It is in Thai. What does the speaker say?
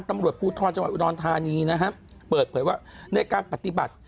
ตำรวจภูทรจังหวัดอุดรธานีนะฮะเปิดเผยว่าในการปฏิบัติ